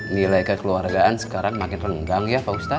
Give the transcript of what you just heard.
nilai kekeluargaan sekarang makin renggang ya pak ustadz